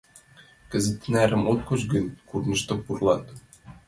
Кызыт тынарым от коч гын, корнышто пурлат.